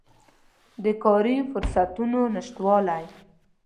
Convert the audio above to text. د کاري فرصتونو نشتوالی